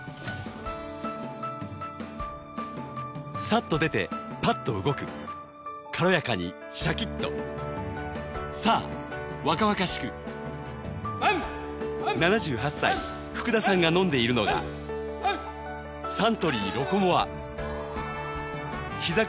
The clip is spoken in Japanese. さっと出てパッと動く軽やかにシャキッと７８歳福田さんが飲んでいるのがサントリー「ロコモア」ひざ